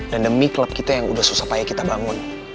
dan demi klub kita yang udah susah payah kita bangun